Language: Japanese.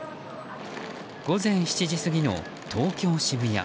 午前７時過ぎの東京・渋谷。